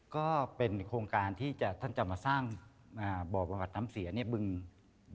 ก็เป็นโครงการที่ท่านจะมาสร้างหมวดอำสีของเรือนี่บึงพระรำเก้า